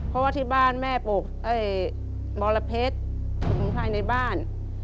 เพราะว่าที่บ้านแม่บรพเผ็ดสมุนไพรในบ้าน